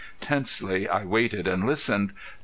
Tensely I waited and listened.